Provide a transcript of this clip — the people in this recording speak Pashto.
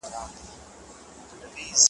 سره او شنه یې وزرونه سره مشوکه,